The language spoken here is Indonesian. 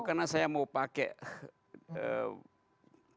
karena saya mau pakai